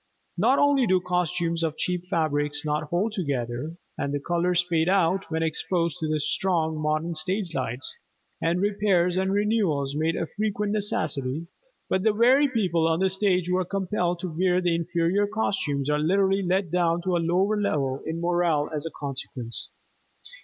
Not only do costumes of cheap fabrics not hold together, and the colors fade out when exposed to the strong modern stage lights, and repairs and renewals become a frequent necessity, but the very people on the stage who are compelled to wear the inferior costumes are literally let down to a lower level in morale as a consequence.